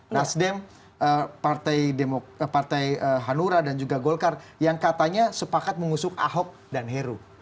nasdem partai hanura dan juga golkar yang katanya sepakat mengusung ahok dan heru